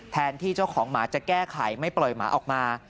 แทนที่เจ้าของหมาจะแก้ไขไม่ปล่อยหมาออกมา